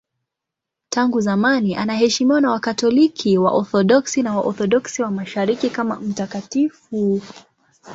Tangu zamani anaheshimiwa na Wakatoliki, Waorthodoksi na Waorthodoksi wa Mashariki kama mtakatifu.